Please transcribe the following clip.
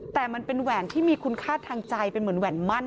แต่มันเป็นแหวนที่มีคุณค่าทางใจเป็นเหมือนแหวนมั่น